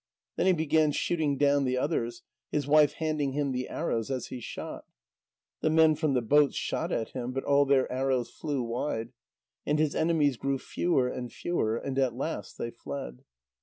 Then he began shooting down the others, his wife handing him the arrows as he shot. The men from the boats shot at him, but all their arrows flew wide. And his enemies grew fewer and fewer, and at last they fled.